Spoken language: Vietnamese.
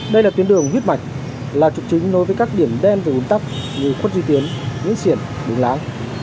đây là tuyến đường huyết mạch là trục trính nối với các điểm đen và hướng tắc như khuất duy tiến nguyên xiển đường láng